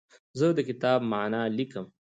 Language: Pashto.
زه د کتاب معنی لیکم.